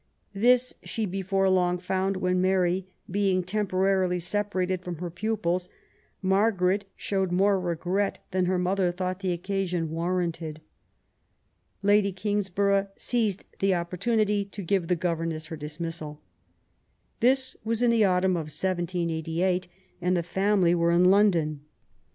This she before long found when, Mary being temporarily separated from her pupils, Margaret showed more regret than her mother thought the occasion warranted. Lady Kings borough seized the opportunity to give the governess her dismissal. This was in the autumn of 1788, and the family were in London.